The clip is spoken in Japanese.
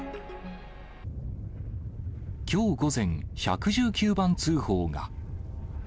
きょう午前、１１９番通報が。